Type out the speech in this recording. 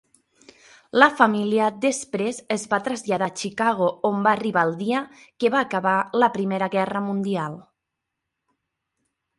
La família després es va traslladar a Chicago, on va arribar el dia que va acabar la Primera Guerra Mundial.